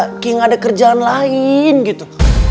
nggak ada kerjaan lain gitu